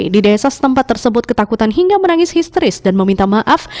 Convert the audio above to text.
di desa setempat tersebut ketakutan hingga menangis histeris dan meminta maaf